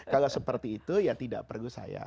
kalau seperti itu ya tidak perlu saya